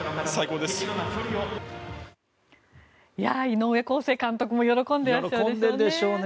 井上康生監督も喜んでいらっしゃるでしょうね。